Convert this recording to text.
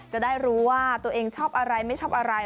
จะได้รู้ว่าตัวเองชอบอะไรไม่ชอบอะไร